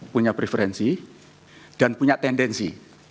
punya preferensi dan punya tendensi